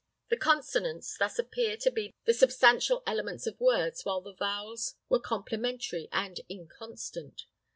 The consonants thus appeared to be the substantial elements of words while the vowels were complementary and inconstant.